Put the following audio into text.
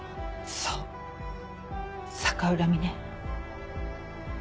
そう逆恨みね。